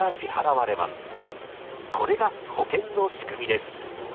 これが保険の仕組みです。